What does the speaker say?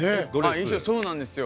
衣装そうなんですよ。